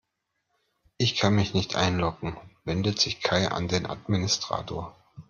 Ich kann mich nicht einloggen, wendet sich Kai an den Administrator.